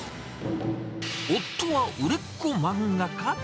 夫は売れっ子漫画家？